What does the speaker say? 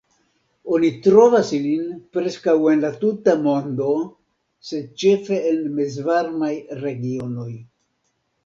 Oni trovas ilin preskaŭ en la tuta mondo, sed ĉefe en mezvarmaj regionoj.